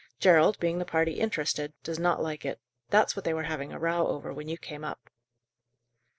Gerald, being the party interested, does not like it. That's what they were having a row over, when you came up."